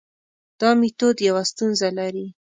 دا میتود یوه ستونزه لري.